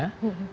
mungkin itu saja